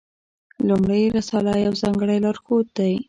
لومړۍ رساله یو ځانګړی لارښود دی.